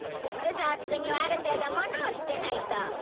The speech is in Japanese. ウソをつくにはある程度ものを知ってないと。